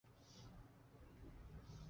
小宫站八高线的铁路车站。